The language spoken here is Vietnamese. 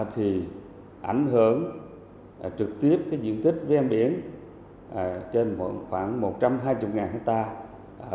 thì ảnh hưởng trực tiếp cái diện tích ven biển trên khoảng một trăm hai mươi hectare